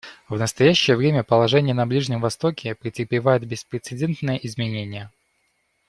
В настоящее время положение на Ближнем Востоке претерпевает беспрецедентные изменения.